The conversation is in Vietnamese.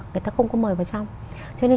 người ta không có mời vào trong cho nên